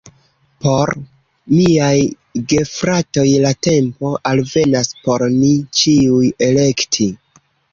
Por miaj gefratoj la tempo alvenas por ni ĉiuj elekti